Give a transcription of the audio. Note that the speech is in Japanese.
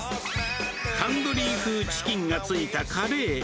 タンドリー風チキンがついたカレー。